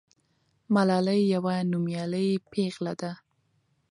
ملالۍ یوه نومیالۍ پیغله ده.